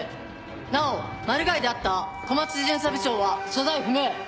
なおマルガイであった小松巡査部長は所在不明。